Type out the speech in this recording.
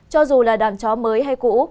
cho dù là đàn chó mới hay cũ